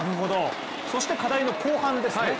そして課題の後半ですね。